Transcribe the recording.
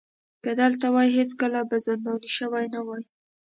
که دلته وای هېڅکله به زنداني شوی نه وای.